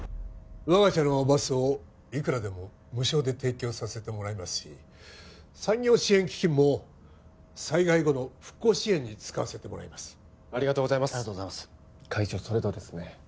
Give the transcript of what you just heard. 我が社のバスをいくらでも無償で提供させてもらいますし産業支援基金も災害後の復興支援に使わせてもらいますありがとうございます会長それとですね